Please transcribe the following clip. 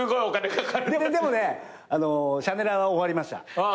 でもシャネラーは終わりました。